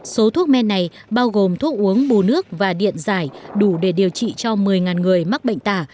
số thuốc men này bao gồm thuốc uống bù nước và điện giải đủ để điều trị cho một mươi người mắc bệnh tả